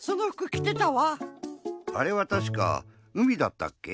あれはたしかうみだったっけ？